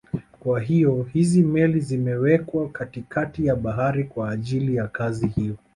Kwa hiyo hizi meli zimewekwa katikati ya Bahari kwa ajili ya kazi hiyo